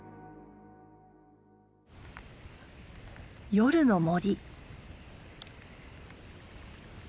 夜の森。